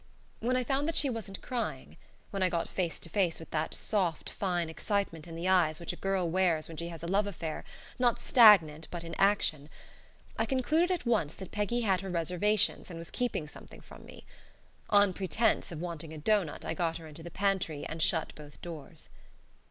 When I found that she wasn't crying; when I got face to face with that soft, fine excitement in the eyes which a girl wears when she has a love affair, not stagnant, but in action I concluded at once that Peggy had her reservations and was keeping something from me. On pretence of wanting a doughnut I got her into the pantry and shut both doors.